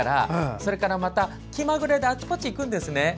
それから、また気まぐれであちこち行くんですね。